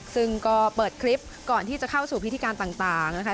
ซึ่งก็เปิดคลิปก่อนที่จะเข้าสู่พิธีการต่างนะคะ